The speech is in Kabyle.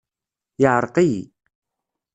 Yeɛreq-iyi.